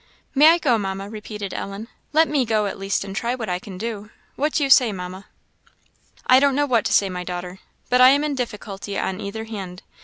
"May I go, Mamma?" repeated Ellen. "Let me go at least and try what I can do. What do you say, Mamma?" "I don't know what to say, my daughter, but I am in difficulty on either hand.